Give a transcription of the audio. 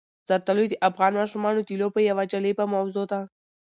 زردالو د افغان ماشومانو د لوبو یوه جالبه موضوع ده.